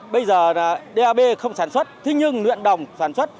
bây giờ là dap không sản xuất thế nhưng nguyện đồng sản xuất